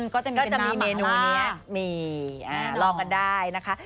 ก็จะมีเป็นน้ำหมาลาก็จะมีเมนูนี้ลองกันได้นะคะ